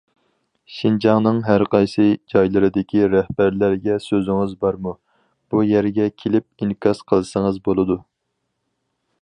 شىنجاڭنىڭ ھەر قايسى جايلىرىدىكى رەھبەرلەرگە سۆزىڭىز بارمۇ؟ بۇ يەرگە كېلىپ ئىنكاس قىلسىڭىز بولىدۇ.